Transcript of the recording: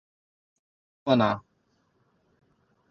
حق ومنه.